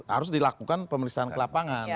harus dilakukan pemeriksaan ke lapangan